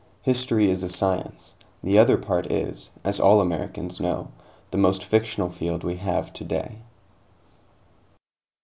History is a science; the other part is, as all Americans know, the most fictional field we have today.